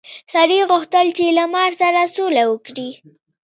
سړي غوښتل چې له مار سره سوله وکړي.